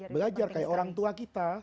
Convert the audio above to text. belajar kayak orang tua kita